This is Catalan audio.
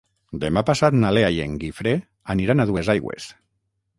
Demà passat na Lea i en Guifré aniran a Duesaigües.